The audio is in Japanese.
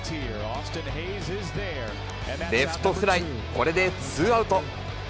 レフトフライ、これでツーアウト。